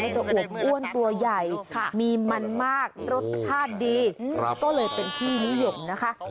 จะอวบอ้วนตัวใหญ่มีมันมากรสชาติดีก็เลยเป็นที่นิยมนะคะ